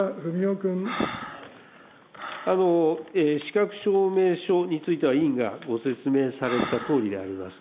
資格証明書については、委員がご説明されたとおりであります。